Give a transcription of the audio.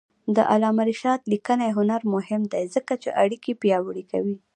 د علامه رشاد لیکنی هنر مهم دی ځکه چې اړیکې پیاوړې کوي.